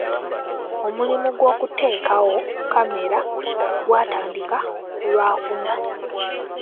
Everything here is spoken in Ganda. Omulimu gw'okuteekawo kamera gwatandika ku lwakuna.